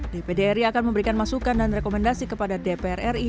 dpdri akan memberikan masukan dan rekomendasi kepada dpr ri